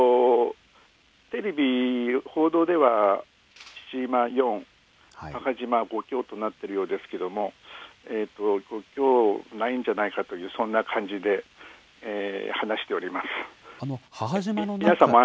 テレビ、報道では父島４、母島５強となってるようですけれども、５強ないんじゃないかという、そんな感じで話しております。